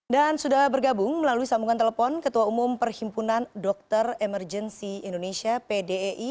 dan sudah bergabung melalui sambungan telepon ketua umum perhimpunan dokter emergenci indonesia pdei